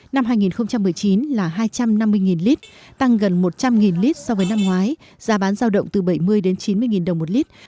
năm hai nghìn một mươi chín là hai trăm năm mươi lít tăng gần một trăm linh lít so với năm ngoái giá bán giao động từ bảy mươi đến chín mươi nghìn đồng một lít